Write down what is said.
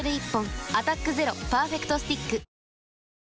「アタックＺＥＲＯパーフェクトスティック」完成しました！